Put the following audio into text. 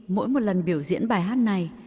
mỗi một lần biểu diễn bài hát này